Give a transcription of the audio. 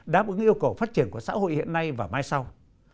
đáp ứng yêu cầu phát triển của xã hội hiện nay và mai sau